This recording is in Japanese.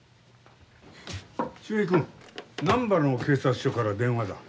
秀平君難波の警察署から電話だ。